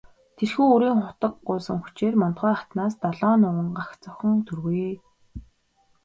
Тэрхүү үрийн хутаг гуйсан хүчээр Мандухай хатнаас долоон нуган, гагц охин төрвэй.